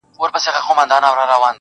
ترېنه وغواړه لمن كي غيرانونه٫